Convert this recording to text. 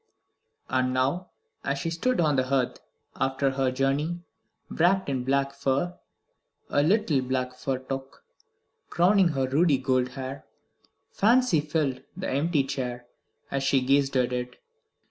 And now, as she stood on the hearth after her journey, wrapped in black furs, a little black fur toque crowning her ruddy gold hair, fancy filled the empty chair as she gazed at it.